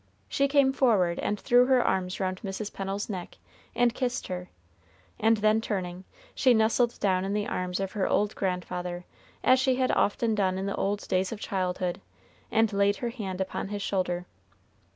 She came forward and threw her arms round Mrs. Pennel's neck, and kissed her; and then turning, she nestled down in the arms of her old grandfather, as she had often done in the old days of childhood, and laid her hand upon his shoulder.